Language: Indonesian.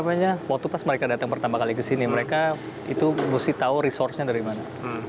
jadi waktu pas mereka datang pertama kali ke sini mereka itu mesti tahu resource nya dari mana